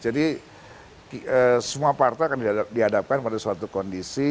jadi semua partai akan dihadapkan pada suatu kondisi